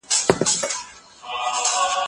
زه د ستونزو په وړاندې ځان سپر کوم.